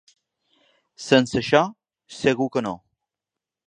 Sense això, segur que no.